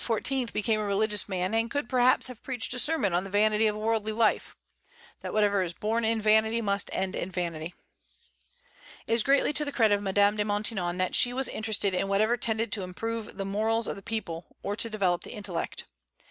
became a religious man, and could perhaps have preached a sermon on the vanity of a worldly life, that whatever is born in vanity must end in vanity. It is greatly to the credit of Madame de Maintenon that she was interested in whatever tended to improve the morals of the people or to develop the intellect.